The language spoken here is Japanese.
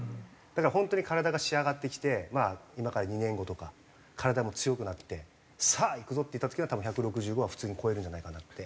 だから本当に体が仕上がってきて今から２年後とか体も強くなってさあいくぞっていった時には多分１６５は普通に超えるんじゃないかなって。